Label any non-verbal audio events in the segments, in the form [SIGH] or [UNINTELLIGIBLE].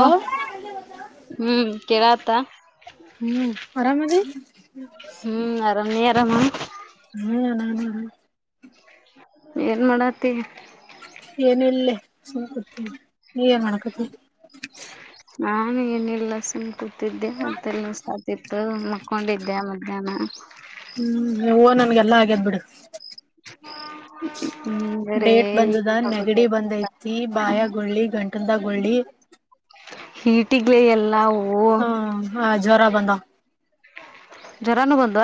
[INAUDIBLE] ಹ್ಮ್ ಕೇಳಾತ ಹ್ಮ್ ಆರಾಮದೀ. ಹ್ಮ್ ಆರಾಮ ನೀ ಆರಾಮ. ಹ್ಮ್ ನಾನು ಆರಾಮು. ಏನ್ ಮಾಡತಿ. ಏನ ಇಲ್ಲ ಲೇ ನೀವೇನ್ ಮಾಡ್ಕತಿ. ನಾನು ಏನಲ್ಲ ಸುಮ್ ಕೂತಿದ್ದೆ ಮತ್ತೆಲ್ಲ ಸಾತಿತ್ತು ಮಕ್ಕೊಂಡಿದ್ದೆ ಮಧ್ಯಾಹ್ನ. ಹ್ಮ್ [UNINTELLIGIBLE] ನನ್ಗೆ ಎಲ್ಲಾ ಹಾಗೇದ್ ಬಿಡು. [INAUDIBLE] ಹ್ಮ್ ಬೇರೆ ಡೇಟ್ ಬಂದದ ನೆಗೆಡಿ ಬಂದೈತಿ ಬಾಯಾಗ ಗುಳ್ಳಿ ಗಂಟದ ಗುಳ್ಳಿ. ಹೀಟಿಗ್ ಎಲ್ಲಾ ಅವು. ಜರ ಬಂದ ಜ್ವರಾನು ಬಂದು.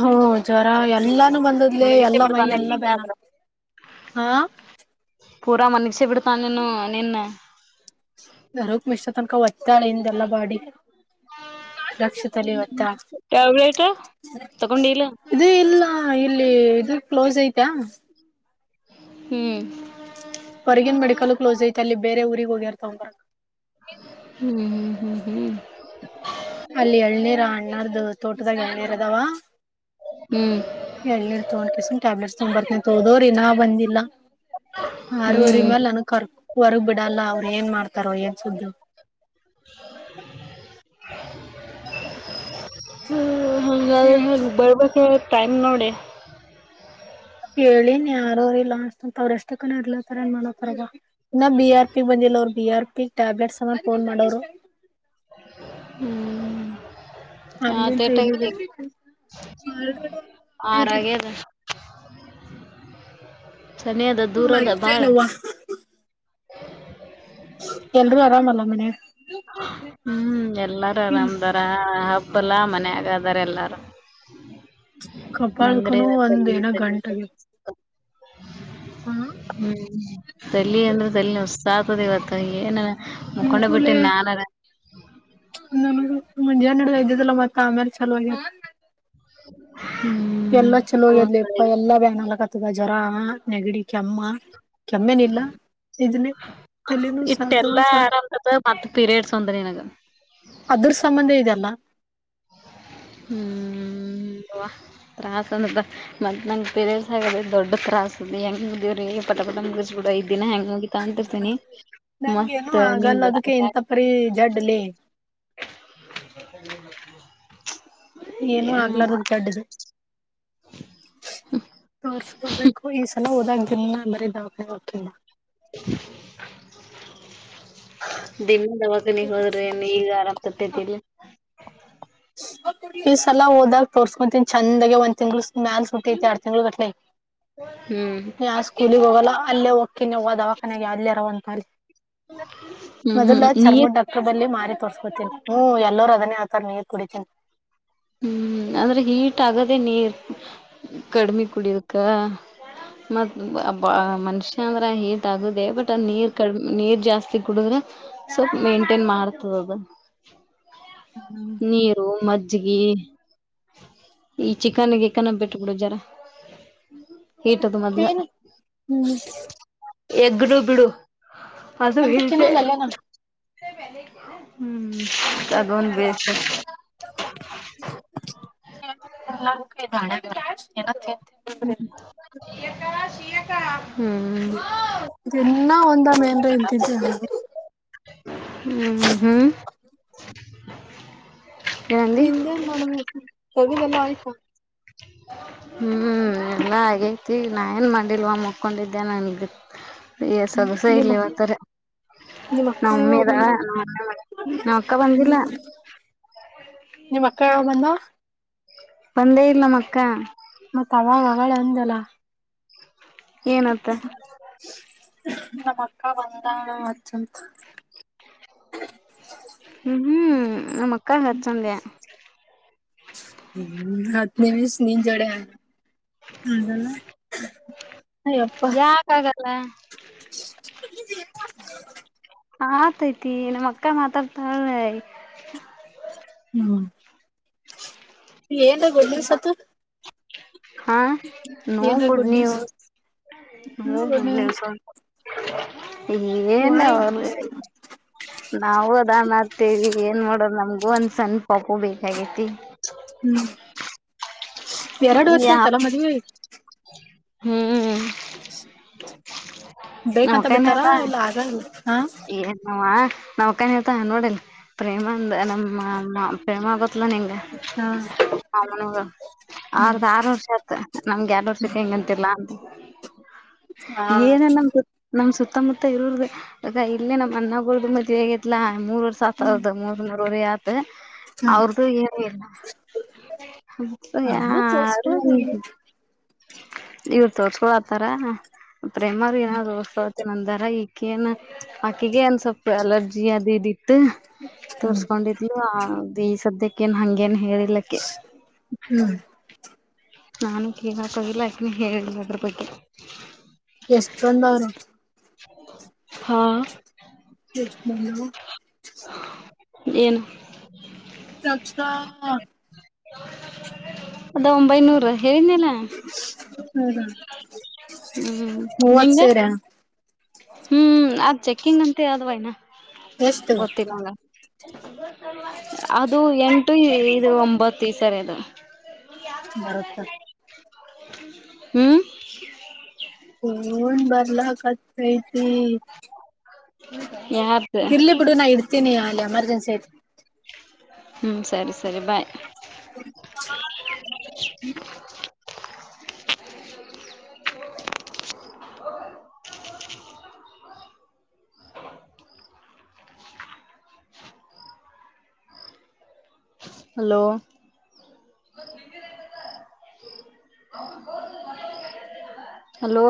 ಹ್ಮ ಜ್ವರ ಎಲ್ಲಾನು ಬಂದದ್ಲಿ ಮನಗಿಸಿ ಎಲ್ಲಾ ಮೈ ಬಿಡ್ತಾನ ಎಲ್ಲಾ ಬೇನ ಆದ್ರ ಹಾ ಪೂರಾ [UNINTELLIGIBLE] ಬಿಡ್ತಾ ನೀನ್ನು ನಿನ್ನೆ. ನರೋಗ ಮಿಷ್ಟ್ರ [UNINTELLIGIBLE] ಬಾಡಿ. ರಕ್ಷದಲ್ಲಿ ಟ್ಯಾಬ್ಲೆಟ್ ತಗೊಂಡಿಲ್ಲ [UNINTELLIGIBLE] ಇದೇ ಇಲ್ಲ ಇಲ್ಲಿ. ಅದು ಕ್ಲೋಸ್ ಐತಾ. ಹ್ಮ್ ಹೊರ್ಗಿನನ್ ಮೆಡಿಕಲ್ ಕ್ಲೋಸ್ ಐತೆ ಅಲ್ಲಿ ಬೇರೆ ಊರಿಗೆ ಹೋಗ್ಯರ ತಗೊಂಡ ಬರಕ್ಕೆ. ಹ್ಮ್ ಹ್ಮ್ ಹ್ಮ್ ಹ್ಮ್ ಅಲ್ಲಿ ಎಳ್ನೀರ ಅಣ್ಣಾವ್ರು ತೋಟದಾಗ ಎಳನೀರ ಅದಾವ. ಹ್ಮ್ ಹ್ಮ್ ಏಳನೀರ್ ತಗೊಂಡ ಕಿಸುಮ ಟ್ಯಾಬ್ಲೆಟ್ಸ್ ತೊಗ್ ಬರ್ತನ ಅಂತ ಹೋದೋರು ಇನ್ ಬಂದಿಲ್ಲ. ಆರವರಿ ಹ್ಮ್ ಮೇಲೆ ನನ ಕರ್ ಹೊರ್ಗ್ ಬಿಡಲ್ಲ ಅವರು ಏನ್ ಮಾಡ್ತಾರ ಏನ್ ಸುದ್ದಿ. [INAUDIBLE] [INAUDIBLE] ಯಪ್ಪ ಹ್ಯಾಂಗದ್ರೆ ಬರ್ಬೇಕ ಟೈಮ್ ನೋಡಿ. ಹೇಳಿನ್ ಯಾರೋ ರಲ್ಲಾನ್ ಅವ್ರಷ್ಟ ಕ ಇರ್ಲತಾರನ್ ಮಾಡೋತರ್ಗ ಇನ್ನ ಬಿ ಆರ್ ಪಿ ಬಗ್. ಅವರು ಬಿ ಆರ್ ಪಿ ಟ್ಯಾಬ್ಲೆಟ್ಸ್ ಅನ್ನ ಫೋನ್ ಮಾಡೋರು. ಹ್ಮ್ ಹಾಟ ಅಲ್ಲಿಂತ ಇಲ್ಲಿಗೆ [UNINTELLIGIBLE] ಆರಾಗದ ಸನಿ ಅದ ದೂರದ ಬಾಳ. [INAUDIBLE] ಮತ್ತೇನವ್ವ ಎಲ್ರುೂ ಆರಾಮಲ್ಲ ಮನೆಗ ಹ್ಮ್ ಎಲ್ಲಾರ ಇಲ್ ಆರಾಮದಾರ ಹಬ್ ತಪ್ಪಲ್ಲ ಮನ್ಯಾಗದರೆ ಎಲ್ಲರು ನಂಗ್ರೆ ಕಪಾಳಕನು [UNINTELLIGIBLE] ಹ ಹ್ಮ್ ತಲ್ಲಿ ಅಂದ್ರೆ ತಲ್ಲಿ ನುಯಸ ಆತದೆ ಇವತ್ತು ಏನ ಮಕೊಂಡ ಬಿಟ್ಟ ನಾನರ ನನಗ ಮುಂಜಾನೆ ಹಡ ಇದ್ದದಲ್ಲ ಮತ್ತ ಆಮ್ಯಲೆ ಚಲೋ ಆಗತಿ ಹ್ಮ್ ಎಲ್ಲಾ ಚಲೋ ಹೋಗಿರ್ಲಿಪ್ಪಾ ಎಲ್ಲ ವ್ಯಾನಲಕತ್ತ ಅ ಜ್ವರ ನೆಗಡಿ ಕೆಮ್ಮ ಕೆಮ್ಮೆನಲ್ಲ ಇದನ್ನೇ ತೆಲಿನು ಸರ್ ಇಟ್ಟೆಲ್ಲಾ ತಗೊನ್ಸರ್ ಆರಾಮದ ಮತ್ ಪೀರಿಯಡ್ಸ್ ಒಂದ್ರ ನಿನಗ ಅದ್ರ ಸಂಬಂಧ ಇದೆಯಲ್ಲ ಹ್ಮ್ ತ್ರಾಸ ಅಂತ ಮ ನಂಗಗೆ ಪಿರಿಯಡ್ ಆಗ ದೊಡ್ಡತ್ರಾಸ ಹೆಂಗ ದೇವ್ರ ಪಟಪಟ್ ಮುಗಿಸಿ ಬಿಡ್ ಐದ ದಿನ ಹೆಂಗ ಮುಗಿತಾವ ಅಂತಿರ್ತೀನಿ ನಂಗ ಮತ್ತ ಏನು ಆಗಲ್ಲ ನಿಮ್ದ ಅದಕ್ಕೆ ಇಂತ ಪರಿ ಜಡ್ಲಿ ಗಜತ ನೀ ಲಗತ [UNINTELLIGIBLE] ಏನು ಆಗ್ಲಾರದ ಜಡ್ಡದ ತೋರ್ಸ್ಕೊಬೆಕು ಈ ಸಲ ಹೋದಾಗ ದಿನ ಬರಿ ದವಾಖಾನೆ ಗೆ ಹೊಕ್ಕಿನಿ ನಾ [INAUDIBLE] ದಿನ ದವಾಖಾನೆ ಗೆ ಹೋದ್ರೆ ಏನ್ ಈಗ ಆರಾಮ್ ಸತೇತಿಲ್ಲ ಈ ಸಲ ಹೋದಾಗ ತೋರ್ಸ್ಕೊತೀನಿ ಚಂದಾಗೆ ಒಂದ್ ತಿಂಗಳ ಮ್ಯಾಲ ಸುಟಿ ಐತಿ ಎರಡು ತಿಂಗಳು ಗಟ್ಲ ಹ್ಞೂ ಯಾರ್ ಸ್ಕೂಲಗ್ ಹೋಗಲ್ಲ ಅಲೇ ಹೋಗ ಹೊಕ್ಕಿನವ್ವ್ ದವಾಖಾನೆಗೆ ಅಲ್ಲಿರ ಅಂತಲ್ಲಿ ಹ್ಞೂ ಹ್ಞೂ ಮೊದಲ ನೀರು ಚರ್ಮದ ಡಾಕ್ಟರ್ ಬಲ್ಲಿ ಮಾರಿ ತೋರ್ಸ್ಕೊತೀನಿ ಹ ಎಲ್ಲರ ಅದನ್ನೇ ನೀರ್ ಕುಡಿತಿನಿ ಹ್ಮ್ ಅಂದ್ರೆ ಹೀಟ್ ಆಗದೆ ನೀರ್ ಕಡಿಮೆ ಕುಡಿಯೋಧ ಮತ್ಬ್ ಮನುಷ್ಯ ಅಂದ್ರ ಹೀಟ್ ಆಗುದ ಬಟ್ ಅದ ನೀರ್ ಕಡಿಮೆ ನೀರ್ ಜಾಸ್ತಿ ಕುಡಿದ್ರ ಸ್ವಲ್ಪ ಮೇಂಟೈನ್ ಮಾಡ್ತದ ಅದ ಹ್ಮ್ ನೀರು ಮ ಮಜ್ಜಿಗಿ ಈ ಚಿಕನ ಜಿಕನ್ ಬಿಟ್ ಬಿಡು ಜರ ಹೀಟದ ಮೊದ್ಲ ತನ್ ಹ್ಮ್ ಎಗ್ನು ಬಿಡು ಎಗ್ಗ್ ತಿನ್ನಲ್ಲಲ ನಾನು ಹ್ಮ ಅದೊಂದು ಬೇಸ್ ಕ [UNINTELLIGIBLE] ಎ ಶಕ [UNINTELLIGIBLE] ಇನ್ನ ಒಂದ ಮೇನ್ರ ಇಂತಿದ ಹ್ಮ್ ಹ್ಮ್ ಏನಂದಿ ನಿಂದ ನೋಡುದ ತವಿದೆೆಲ್ಲ ಆಯತಾ ಹ್ಮ್ ಎಲ್ಲಾ ಆಗೈತಿ ನಾ ಏನ್ ಮಾಡಿಲ್ವ ಮುಕೊಂಡಿದ್ದೆ ನಾನು ಈಗ ಎ ಸೊಗಸಾ ನಿಮ್ಮ ಇಲ್ಲವತರ ನಿಮ್ಮ ಅಕ್ಕ ನಾ ಮಮ್ಮಿ ಯಾವಾಗ ಬಂದ ಅದಲ್ ಮಾಡಕ್ ನಮ್ಮ ಅಕ್ಕ ಬಂದಿಲ್ಲ ಹ ಮತ್ ಬಾ ಬಂದೇ ಇಲ್ಲ ನಮ್ಮ ಅಕ್ಕ ಹಳಂದಲ ಏನತ್ತ ನಮ್ಮ ಅಕ್ಕಾ ಬಂದಲ್ ಅಚ್ಚಂತ್ ಹ್ಮ್ ಹ್ಮ್ ನಮ್ಮ ಅಕ್ಕ ಹಚ್ಚಂದ ಹ್ಮ ಹತ್ತು ನಿಮಿಷ ನಿನ್ ಜಡೆ ಆಗನ್ ಯಾಕಾಗಲ್ಲ ಆತೈತಿ ನಮ್ಮ ಅಕ್ಕ ಮಾತಾಡ್ತಾಳ ಹ್ಮ ಏನ್ ಗುಡ್ ನ್ಯೂಸ್ ಹಾ ನೋ ಗುಡ್ ನ್ಯೂಸ್ ಹ್ಮ ನೋ ಗುಡ್ ಗುಡ್ಸ್ ನ್ಯೂಸ್ ಏನ್ ವಾಯ್ ಅವರು ನಾವು ಅದ ಮಾಡತೇವಿ ಏನ್ ಮಾಡೋದು ನಮ್ಗೂ ಒಂದ್ ಸಣ್ಣ ಪಾಪು ಬೇಕಾಗೇತಿ ಹ್ಮ್ ಎರಡು ವರ್ಷ ಯಾ ಆಯ್ತಲ್ಲ ಮದ್ವೆ ಹ್ಮ್ ಬೇಕಂತ ಬಿಟ್ಟಾರ ಮತ್ತೇನಪ್ಪ ಇಲ್ಲ ಆಗಲ್ಲ ಹಾ ನಾವ್ಕನ್ ಹೇಳ್ತಾ ನೋಡಿಲ್ ಪ್ರೇಮ ಅಂದ ನಮ್ಮ ಪ್ರೇಮ ಗೋತ್ಲಾ ನಿಂಗ ಹಾ ಹ ಅವಂಗ ಹ್ಮ್ ಆರು ವರ್ಷ ಆತ್ ನಮ್ಗೆ ಎಡ್ ವರ್ಷಕ್ಕೆ ಹೆಂಗಂತ ಹಾ ಏನ ನಮ ನಮ್ ಸುತ್ತ ಸುತ್ತಮುತ್ತ ಇರುದು ಅ ಇಲ್ಲೇ ನಮ್ಮ್ ಅನ್ನ್ದ ಹೇಗತ್ಲಾ ಮೂರ್ವರ್ತ್ ಹ್ಮ್ ಅವ್ರ್ದ ಮೂರ್ ನೂರವರೆ ಆತ್ ಹ್ಮ್ ಅವ್ರದು ಹೇಗಿಲ್ಲ ಹ ಅದು ಯಾರು ತೋರ್ಸ್ಕೊಳ್ ಹ್ಮ್ ಇವ್ರ ತೋರ್ಸ್ಕೊ ಆತಾರ ಪ್ರೇಮ್ರ ಏನ ತೋರ್ಸ್ತತಿ ನಂದಾರ ಈಕೇಏನ್ ಆಕಿಗೆ ಏನ್ ಸ್ವಲ್ಪ ಅಲರ್ಜಿ ಅ ದಿ ದಿತ್ತು ತೋರ್ಸ್ಕೊಂಡಿದ್ಲು ಅ ಈ ಸತಿ ಕೇನ್ ಹಂಗೇನ್ ಹೇಳಿಲ್ಲಕ್ಕೆ ಹ್ಮ್ ನಾನು ಹೇಗಾಕದಿಲ್ಲ ಯಾಕನ ಹೇಳಿಲ್ಲ ಅದ್ರ ಬಗ್ಗೆ ಎಷ್ಟ ಬಂದ ಅವರು ಹಾ ಎ ಏನು ಕ್ಷಾ ಅದ ಒಂಬೈನೂರ ಹೇಳದ್ನಲ್ಲ ಹ್ಮ ಮೂವತ್ ನಿಂಗೆ ಸಾವಿರ ಹ್ಮ್ ಅದ್ ಚೆಕ್ಕಿಂಗ್ ಅಂತ ಅ್ವಯನಾ ಎಷ್ಟು ಗೊತ್ತಿಲ್ಲಂಗ ಅದು ಎಂಟು ಇದು ಒಂಬತ್ತು ಈ ಸರಿ ಅದು ಬರುತ್ತ ಹ್ಮ್ ಹೋ ಬರ್ಲಕತ್ ಐತಿ ಯಾರ್ದು ಇರ್ಲಿ ಬಿಡು ನಾ ಇಡ್ತೀನಿ ಅಲ್ಲ ನ್ಸಿ ಹ್ಮ್ ಸರಿ ಸರಿ ಬಾಯ್ ಹ್ಮ [INAUDIBLE] [INAUDIBLE] ಹಲೋ ಹಲೋ